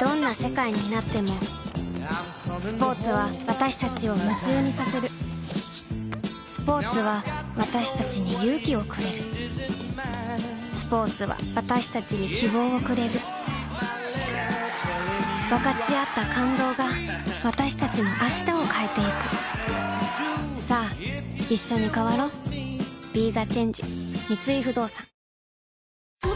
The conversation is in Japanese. どんな世界になってもスポーツは私たちを夢中にさせるスポーツは私たちに勇気をくれるスポーツは私たちに希望をくれる分かち合った感動が私たちの明日を変えてゆくさあいっしょに変わろうキィ！